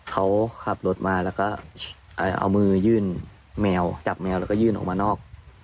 เขาขับรถมาแล้วก็เอามือยื่นแมวจับแมวแล้วก็ยื่นออกมานอก